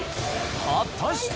果たして⁉